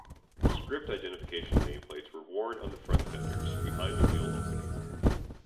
Script identification nameplates were worn on the front fenders, behind the wheel opening.